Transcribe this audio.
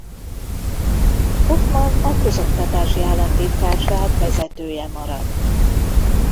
Hoffmann a közoktatási államtitkárság vezetője maradt.